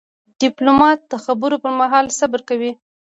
ډيپلومات د خبرو پر مهال صبر کوي.